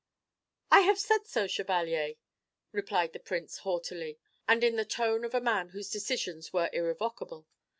"I have said so, Chevalier!" replied the Prince, haughtily, and in the tone of a man whose decisions were irrevocable.